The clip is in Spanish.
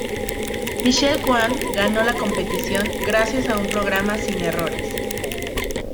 Michelle Kwan ganó la competición, gracias a un programa sin errores.